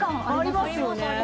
ありますよね。